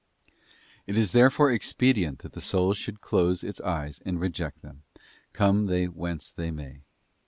It is therefore expedient that the soul should close its eyes and reject them, come they whence they may.